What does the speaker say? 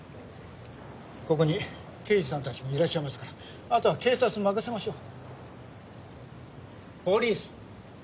ここに刑事さんたちもいらっしゃいますからあとは警察に任せましょう。